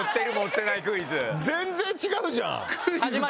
全然違うじゃん！